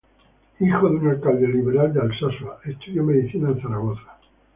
Hijo de un alcalde liberal de Alsasua, estudió medicina en Zaragoza.